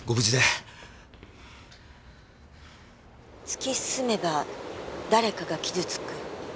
突き進めば誰かが傷つく？